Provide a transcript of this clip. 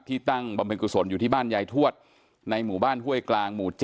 ตั้งบำเพ็ญกุศลอยู่ที่บ้านยายทวดในหมู่บ้านห้วยกลางหมู่๗